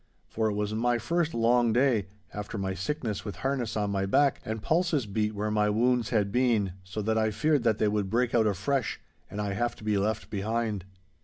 For it was my first long day, after my sickness with harness on my back, and pulses beat where my wounds had been, so that I feared that they would break out afresh, and I have to be left behind.